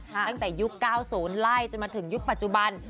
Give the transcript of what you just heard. ตั้งแต่ยุค๙๐ไล่จนมาถึงยุคปัจจุบัน